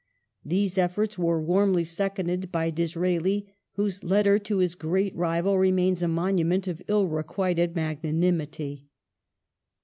These efforts were warmly seconded by Disraeli whose letter to his great rival remains a monument of ill requited magnanimity.